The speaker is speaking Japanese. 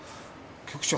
局長。